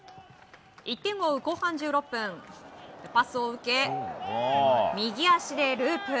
１点を追う後半１６分パスを受け、右足でループ。